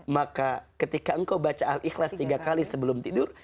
maka ketika engkau baca al ikhlas tiga kali sebelum tidur